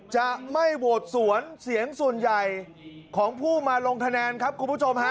จะไม่โหวตสวนเสียงส่วนใหญ่ของผู้มาลงคะแนนครับคุณผู้ชมฮะ